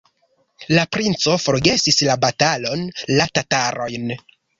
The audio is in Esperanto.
La princo forgesis la batalon, la tatarojn.